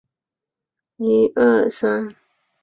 派卡藻的植物体有着厚覆盖层或角质层。